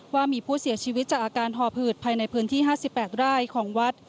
ว่ามีผู้เสียชีวิตจากอาการหอบหืดภายในพื้นที่๕๘ไร่ของวัด